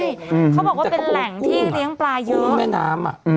เขาบอกว่าเป็นแหล่งที่เลี้ยงปลาเยอะแต่เขาบอกว่ากุ้งแม่น้ำ